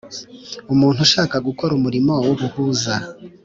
Umuntu ushaka gukora umurimo w ubuhuza